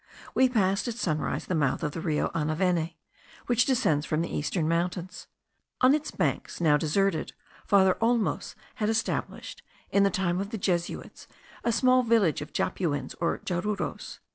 We passed at sunrise the mouth of the Rio Anaveni, which descends from the eastern mountains. On its banks, now deserted, Father Olmos had established, in the time of the Jesuits, a small village of Japuins or Jaruros.